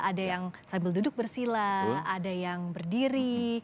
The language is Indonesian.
ada yang sambil duduk bersila ada yang berdiri